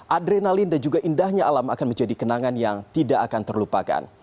adrenalin dan juga indahnya alam akan menjadi kenangan yang tidak akan terlupakan